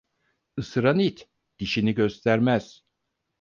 Isıran it, dişini göstermez.